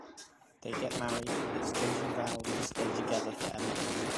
They get married, exchanging vows to stay together forever.